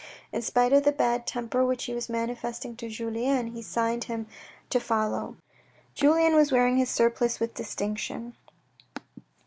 In spite of the bad temper which he was manifesting to Julien, he signed him to follow. Julien was wearing his surplice with distinction.